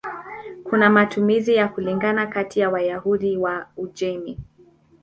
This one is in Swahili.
Kuna matumizi ya kulingana kati ya Wayahudi wa Uajemi.